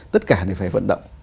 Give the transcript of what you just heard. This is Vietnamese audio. tất cả thì phải vận động